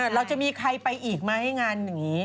ใครก็ไปอีกมาให้งาน